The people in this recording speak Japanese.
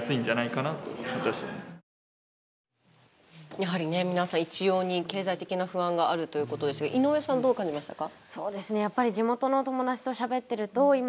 やはり、皆さん一様に経済的な不安があるということですが井上さん、どう感じましたか。